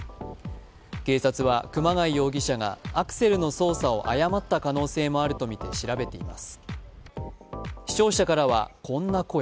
警察は熊谷容疑者がアクセルの操作を誤った可能性もあるとみて調べています。